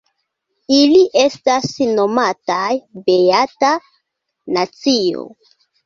Ili estas nomataj "beata nacio".